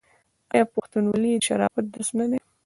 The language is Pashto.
آیا پښتونولي د شرافت درس نه دی؟